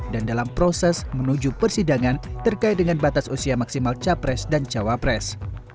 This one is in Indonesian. dan dalam proses menuju persidangan terkait dengan batas usia maksimal capres dan cawapres